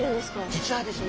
実はですね